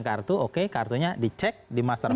kartu oke kartunya dicek di master plan